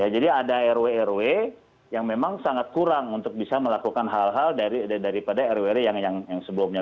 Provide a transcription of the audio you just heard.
jadi ada rw rw yang memang sangat kurang untuk bisa melakukan hal hal daripada rw rw yang sebelumnya